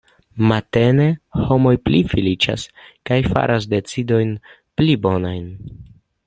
Matene, homoj pli feliĉas kaj faras decidojn pli bonajn.